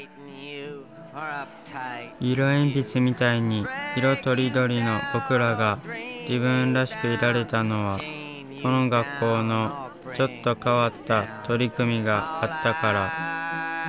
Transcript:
色鉛筆みたいに色とりどりの僕らが自分らしくいられたのはこの学校のちょっと変わった取り組みがあったから。